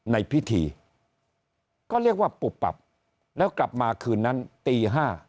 ในพิธีก็เรียกว่าปุบปับแล้วกลับมาคืนนั้นตี๕